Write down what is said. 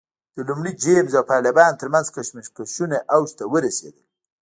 د لومړي جېمز او پارلمان ترمنځ کشمکشونه اوج ته ورسېدل.